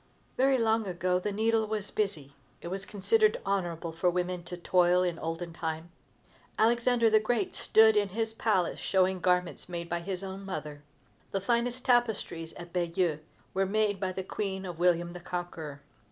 Very long ago the needle was busy. It was considered honorable for women to toil in olden time. Alexander the Great stood in his palace showing garments made by his own mother. The finest tapestries at Bayeux were made by the Queen of William the Conqueror.